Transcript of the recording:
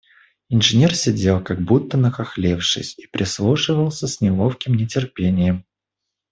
Инженер сидел, как будто нахохлившись, и прислушивался с неловким нетерпением.